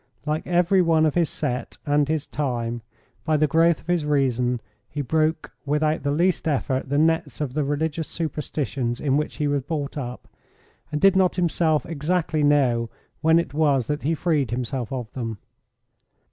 Like every one of his set and his time, by the growth of his reason he broke without the least effort the nets of the religious superstitions in which he was brought up, and did not himself exactly know when it was that he freed himself of them.